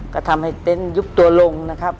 ก็ทำให้เต็นต์ยุบตัวลงนะครับ